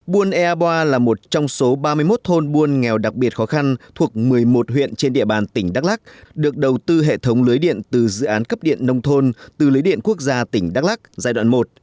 buôn ea boa là một trong số ba mươi một thôn buôn nghèo đặc biệt khó khăn thuộc một mươi một huyện trên địa bàn tỉnh đắk lắc được đầu tư hệ thống lưới điện từ dự án cấp điện nông thôn từ lưới điện quốc gia tỉnh đắk lắc giai đoạn một